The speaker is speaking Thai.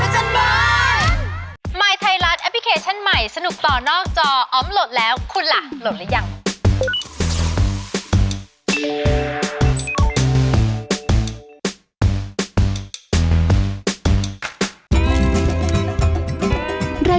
สมมุตินะครับสมมุติ